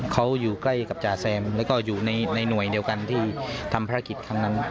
เขาอยู่ใกล้กับจ่าแซมแล้วก็อยู่ในหน่วยเดียวกันที่ทำภารกิจครั้งนั้น